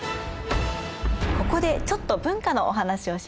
ここでちょっと文化のお話をしましょう。